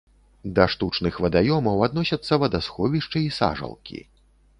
Да штучных вадаёмаў адносяцца вадасховішчы і сажалкі.